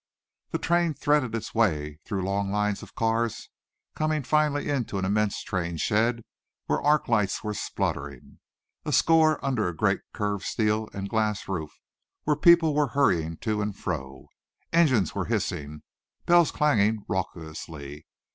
The train threaded its way through long lines of cars coming finally into an immense train shed where arc lights were spluttering a score under a great curved steel and glass roof, where people were hurrying to and fro. Engines were hissing; bells clanging raucously.